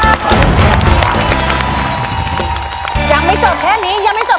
แล้ววันนี้ผมมีสิ่งหนึ่งนะครับเป็นตัวแทนกำลังใจจากผมเล็กน้อยครับ